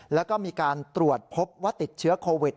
แล้วก็มีการตรวจพบว่าติดเชื้อโควิด